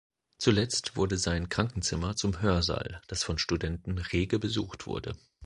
Zuletzt wurde sein Krankenzimmer zum Hörsaal, das von Studenten rege besucht wurde.